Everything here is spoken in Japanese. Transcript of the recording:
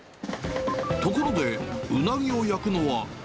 ところで、うなぎを焼くのは。